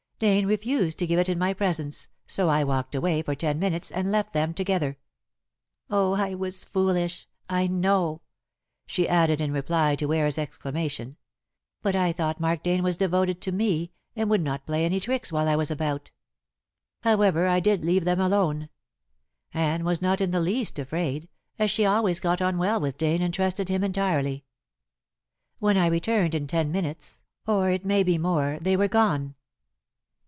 Dane refused to give it in my presence, so I walked away for ten minutes and left them together. Oh, I was foolish, I know," she added in reply to Ware's exclamation. "But I thought Mark Dane was devoted to me, and would not play any tricks while I was about. However, I did leave them alone. Anne was not in the least afraid, as she always got on well with Dane and trusted him entirely. When I returned in ten minutes, or it may be more, they were gone."